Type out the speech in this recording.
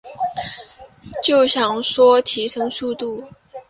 就想说提升速度